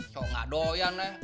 so gak doyan eh